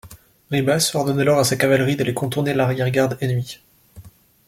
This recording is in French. Ribas ordonne alors à sa cavalerie d'aller contourner l'arrière-garde ennemie.